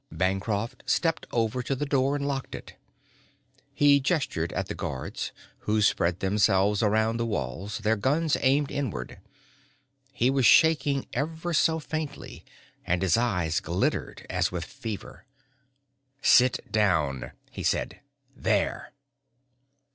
Bancroft stepped over to the door and locked it. He gestured at the guards, who spread themselves around the walls, their guns aimed inward. He was shaking ever so faintly and his eyes glittered as with fever. "Sit down," he said. "_There!